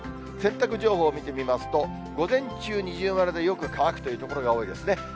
洗濯情報を見てみますと、午前中二重丸で、よく乾くという所が多いですね。